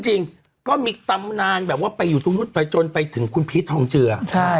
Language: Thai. จริงก็มีตำนานแบบว่าไปอยู่ตรงนู้นไปจนไปถึงคุณพีชทองเจือใช่